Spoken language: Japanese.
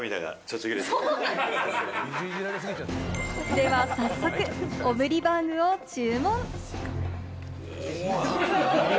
では早速オムリバーグを注文。